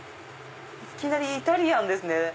いきなりイタリアンですね。